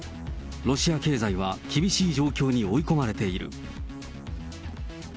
ロシア経済は厳しい状況に追い込まれている。